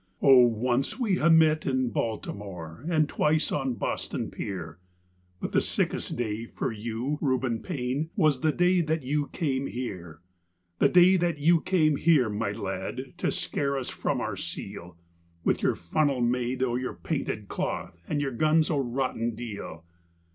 Oh, once we ha' met at Baltimore, and twice on Boston pier, But the sickest day for you, Reuben Paine, was the day that you came here The day that you came here, my lad, to scare us from our seal With your funnel made o' your painted cloth, and your guns o' rotten deal!